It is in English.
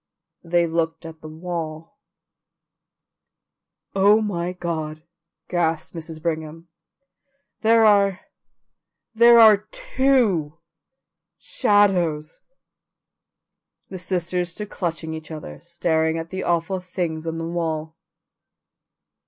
They looked at the wall. "Oh, my God," gasped Mrs. Brigham, "there are there are TWO shadows." The sisters stood clutching each other, staring at the awful things on the wall.